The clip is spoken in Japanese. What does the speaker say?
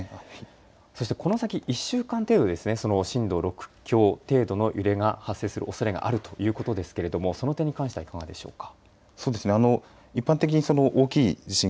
そしてこの先、１週間程度ですね震度６強程度の揺れが発生するおそれがあるということですけれどもその点に関してはいかがでしょうか。